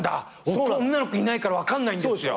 僕女の子いないから分かんないんですよ。